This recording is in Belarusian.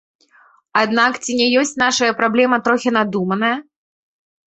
Аднак ці не ёсць нашая праблема трохі надуманая?